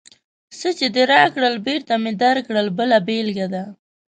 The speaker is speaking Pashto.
څه چې دې راکړل، بېرته مې درکړل بله بېلګه ده.